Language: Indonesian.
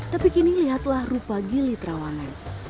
tapi kini lihatlah rupa gili terawangan